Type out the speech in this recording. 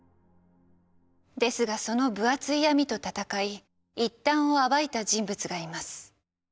ですがその分厚い闇と闘い一端を暴いた人物がいます。